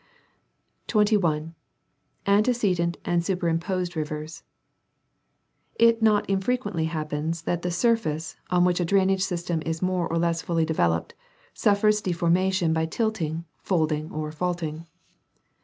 21. Antecedent and superimposed rivers. — It not infrequently happens that the surface, on which a drainage system is more or less fully developed, suffers deformation by tilting, folding or faulting.